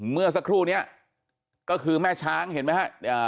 เมื่อสักครู่นี้ก็คือแม่ช้างเห็นไหมฮะ